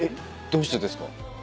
どうしてですか？